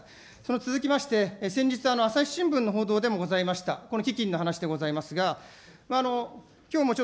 続きまして、先日、朝日新聞の報道でもございました、この基金の話でございますが、きょうもちょ